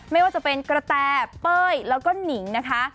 ไม่ว่าจะเป็นกระแตเป้ยแล้วก็หนิงนะคะ